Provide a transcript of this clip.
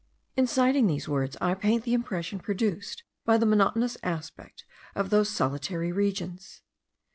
In citing these words I paint the impression produced by the monotonous aspect of those solitary regions.